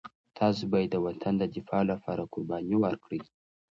تاسو باید د وطن د دفاع لپاره قرباني ورکړئ.